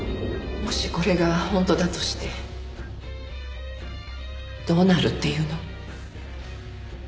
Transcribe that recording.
もしこれが本当だとしてどうなるっていうの？